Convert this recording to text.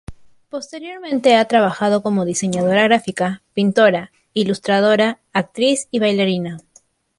Posteriormente ha trabajado como diseñadora gráfica, pintora, ilustradora, actriz y bailarina.